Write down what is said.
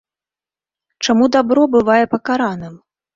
Чаму дабро бывае пакараным?